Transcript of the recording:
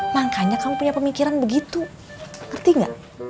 makanya kamu punya pemikiran begitu ngerti gak